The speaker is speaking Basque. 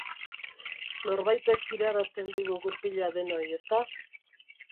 Norbaitek jirarazten digu gurpila denoi, ezta?